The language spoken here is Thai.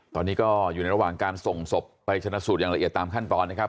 ตอนนี้ก็อยู่ในระหว่างการส่งศพไปชนะสูตรอย่างละเอียดตามขั้นตอนนะครับ